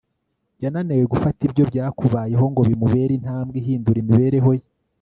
yananiwe gufata ibyo byakubayeho ngo bimubere intambwe ihindura imibereho ye